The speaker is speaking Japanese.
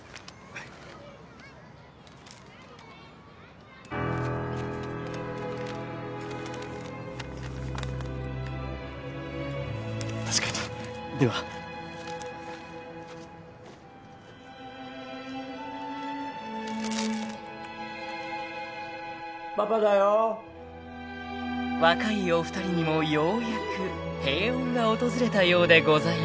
［若いお二人にもようやく平穏が訪れたようでございます］